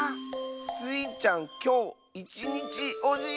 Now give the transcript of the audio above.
スイちゃんきょういちにちおじいさんなんだ！